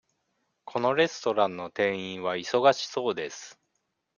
このレストランの店員は忙しそうです。